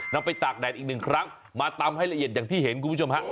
ไปตากแดดอีกหนึ่งครั้งมาตำให้ละเอียดอย่างที่เห็นคุณผู้ชมฮะ